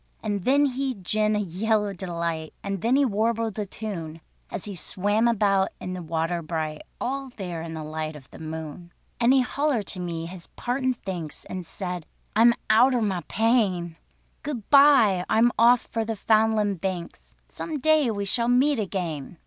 And then he gin a yell of delight, And then he warbled a tune, As he swam about in the water bright, All there in the light of the moon. And he hollered to me his partin' thanks, And said: "I am outer my pain; Good bye! I'm off for the 'Foundland Banks; Some day we shall meet again."